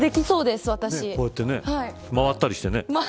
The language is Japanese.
こうやって回ったりしてね。